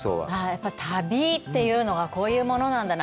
やっぱり旅というのはこういうものなんだな。